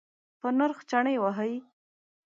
په نرخ چنی وهئ؟